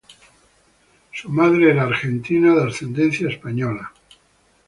Su madre era argentina, de ascendencia española.